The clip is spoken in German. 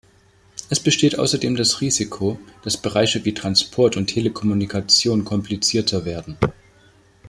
Es besteht außerdem das Risiko, dass Bereiche wie Transport und Telekommunikation komplizierter werden.